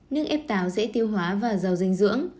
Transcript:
nước ép tào dễ tiêu hóa và giàu dinh dưỡng